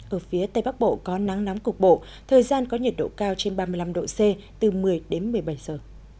ở phía tây bắc bộ có nắng nóng cục bộ thời gian có nhiệt độ cao trên ba mươi năm độ c từ một mươi đến một mươi bảy giờ